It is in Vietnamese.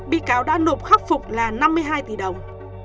bị cáo đã nộp khắc phục là năm mươi hai tỷ đồng